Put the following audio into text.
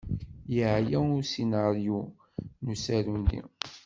Yeɛya usinaryu n usaru-nni.